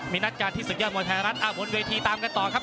มีนัดการที่ศึกยอดมวยไทยรัฐบนเวทีตามกันต่อครับ